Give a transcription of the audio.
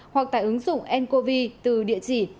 hoặc tại ứng dụng ncovi